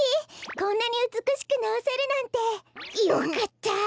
こんなにうつくしくなおせるなんて！よかった！